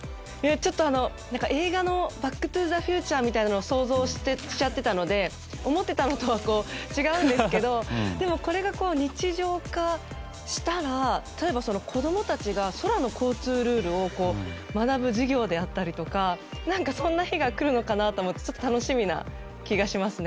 映画の「バック・トゥ・ザ・フューチャー」みたいなのを想像していたので思っていたのとは違うんですけどこれが日常化したら例えば、子供たちが空の交通ルールを学ぶ授業であったりとかそんな日が来るのかななんてちょっと楽しみな気がしますね。